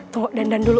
tunggu dandan dulu